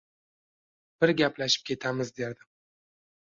birga gaplashib ketamiz derdim.